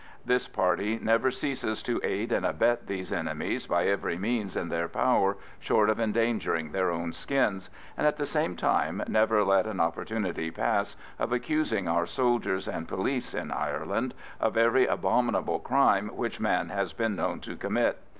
This party never ceases to aid and abet these enemies by every means in their power, short of endangering their own skins, and at the same time never let an opportunity pass of accusing our soldiers and police (in Ireland) of every abominable crime which man has been known to commit.